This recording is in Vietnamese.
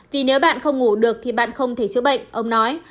vì nếu bạn không ngủ được thì bạn không thể chữa bệnh ông nói